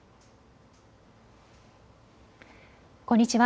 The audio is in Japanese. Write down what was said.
こんにちは。